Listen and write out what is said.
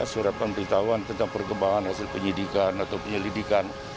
surat pemberitahuan tentang perkembangan hasil penyidikan atau penyelidikan